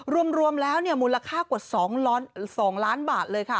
รวมแล้วมูลค่ากว่า๒ล้านบาทเลยค่ะ